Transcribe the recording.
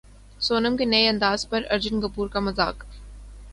سونم کے نئے انداز پر ارجن کپور کا مذاق